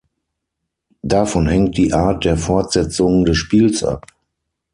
Davon hängt die Art der Fortsetzung des Spiels ab.